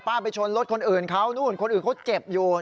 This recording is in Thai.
ไปชนรถคนอื่นเขานู่นคนอื่นเขาเจ็บอยู่